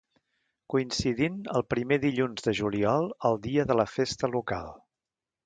Coincidint el primer dilluns de juliol el dia de la festa local.